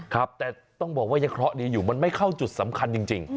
ครับแต่ต้องบอกว่ายังเคราะห์ดีอยู่มันไม่เข้าจุดสำคัญจริง